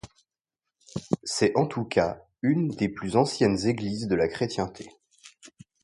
C'est en tout cas une des plus anciennes églises de la chrétienté.